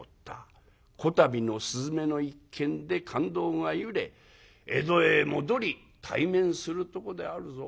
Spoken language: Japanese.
こたびの雀の一件で勘当がゆれ江戸へ戻り対面するとこであるぞ」。